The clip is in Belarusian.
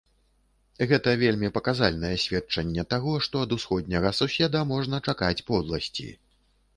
Гэта вельмі паказальнае сведчанне таго, што ад усходняга суседа можна чакаць подласці.